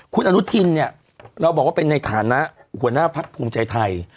คุณอนุทินเนี่ยเราบอกว่าเป็นในฐานะหัวหน้าพักภูมิใจไทย